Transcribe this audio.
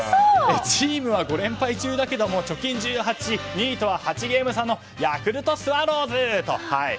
チームは５連敗中だけども貯金１８２位とは８ゲーム差のヤクルトスワローズ！と。